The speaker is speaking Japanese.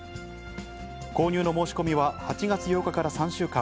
購入の申し込みは８月８日から３週間。